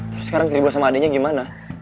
terus sekarang keribo sama adeknya gimana